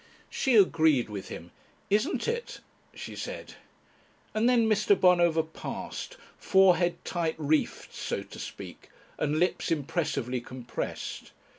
She agreed with him. "Isn't it?" she said. And then Mr. Bonover passed, forehead tight reefed so to speak, and lips impressively compressed.